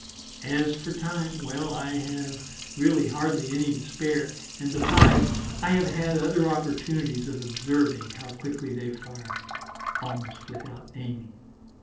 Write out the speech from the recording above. As for time, well, I have really hardly any to spare, and, besides, I have had other opportunities of observing how quickly they fire "almost without aiming."